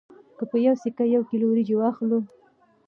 که په یوه سکه یو کیلو وریجې واخلو